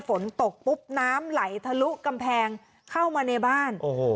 ฝนตกปุ๊บน้ำไหลทะลุกำแพงเข้ามาในบ้าน